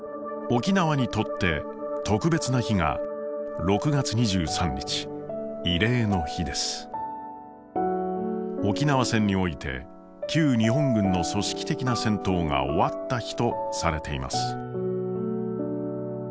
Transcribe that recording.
沖縄にとって特別な日が沖縄戦において旧日本軍の組織的な戦闘が終わった日とされています。